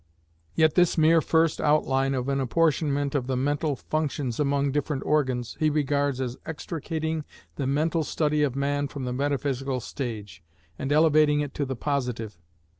Yet this mere first outline of an apportionment of the mental functions among different organs, he regards as extricating the mental study of man from the metaphysical stage, and elevating it to the positive.